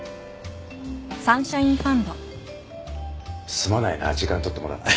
すまないな時間取ってもらって。